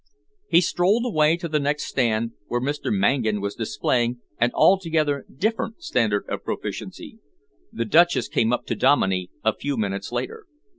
He strolled away to the next stand, where Mr. Mangan was displaying an altogether different standard of proficiency. The Duchess came up to Dominey a few minutes later.